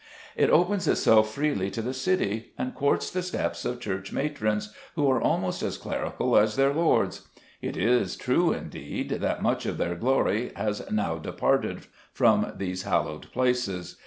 It opens itself freely to the city, and courts the steps of church matrons, who are almost as clerical as their lords. It is true, indeed, that much of their glory has now departed from these hallowed places.